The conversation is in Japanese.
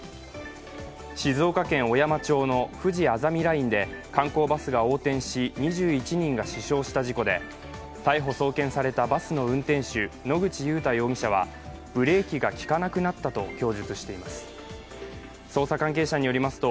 静岡県小山町のふじあざみラインで観光バスが横転し、２１人が死傷した事故で、逮捕・送検されたバスの運転手野口祐太容疑者はブレーキがきかなくなったと供述していることが分かりました。